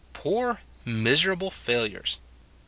" Poor miserable failures.